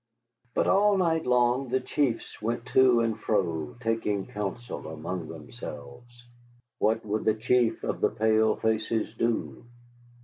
But all night long the chiefs went to and fro, taking counsel among themselves. What would the Chief of the Pale Faces do?